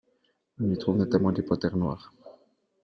On y trouve notamment des panthères noires.